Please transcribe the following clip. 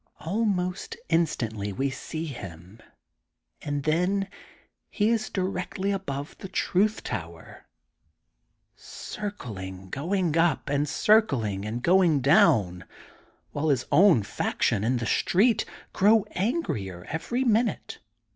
Almost in stantly we see him and then he is directly above the Truth Tower, circling, going up, and circling and going down, while his own old faction, in the street, grow angrier every minute.